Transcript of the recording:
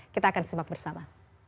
kita akan simak bersama